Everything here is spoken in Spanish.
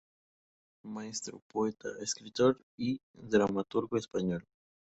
Maestro, poeta, escritor y dramaturgo español.